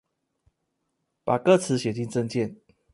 把歌詞寫進政見